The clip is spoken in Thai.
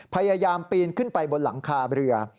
พยายามปีนขึ้นไปบนหลังคาเรือ